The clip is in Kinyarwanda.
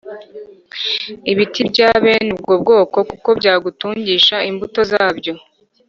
ibiti bya bene ubwo bwoko kuko byagutungisha imbuto zabyo